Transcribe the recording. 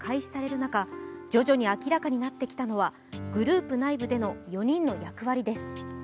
中徐々に明らかになってきたのはグループ内部での４人の役割です。